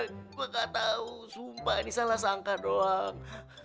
gue gak tau sumpah ini salah sangka doang